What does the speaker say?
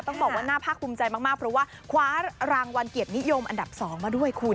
ต้องบอกว่าน่าภาคภูมิใจมากเพราะว่าคว้ารางวัลเกียรตินิยมอันดับ๒มาด้วยคุณ